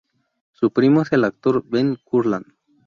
Su primo es el actor Ben Kurland.